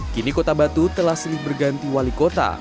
kini kota batu telah sering berganti wali kota